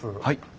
はい。